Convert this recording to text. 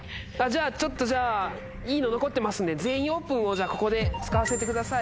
ちょっとじゃあいいの残ってますんで「全員オープン」をここで使わせてください。